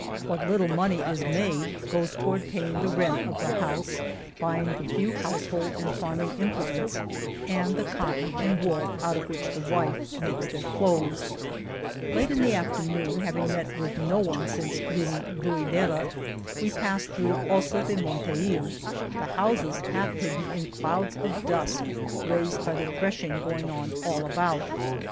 What little money is made goes toward paying for the rent of the house, buying the few household and farming implements and the cotton and wool out of which the wife makes their clothes. 79 The Cave of Montesinos Late in the afternoon, having met with no one since leaving Ruidera, we pass through Osa de Monteil, the houses half hidden in clouds of dust raised by the threshing go ing on all about.